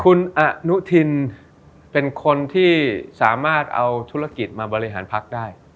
คุณอนุทินเป็นคนที่สามารถเอาธุรกิจมาบริหารพักได้